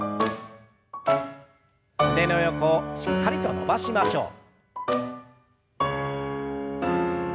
胸の横をしっかりと伸ばしましょう。